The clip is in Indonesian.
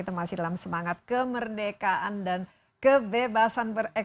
pembahasan yakin di depan bro